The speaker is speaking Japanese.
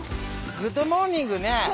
グッドモーニング。